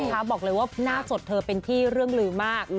บอกเลยว่าหน้าสดเธอเป็นที่เรื่องลืมมาก